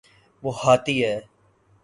وہ ہاتھی ہے